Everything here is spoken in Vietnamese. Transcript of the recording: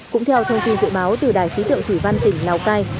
cũng theo thông tin dự báo từ đài khí tượng thủy văn tỉnh lào cai